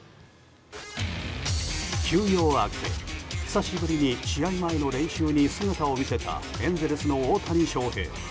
休養明け久しぶりに試合前の練習に姿を見せたエンゼルスの大谷翔平。